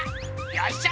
よっしゃ！